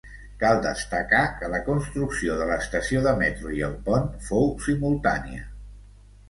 Cal destacar que la construcció de l'estació de metro i el pont fou simultània.